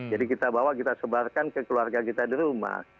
kita bawa kita sebarkan ke keluarga kita di rumah